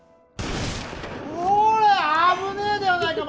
こら危ねえではないか。